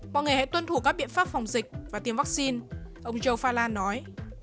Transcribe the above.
mọi người hãy tuân thủ các biện pháp phòng dịch và tiêm vaccine ông joe fala nói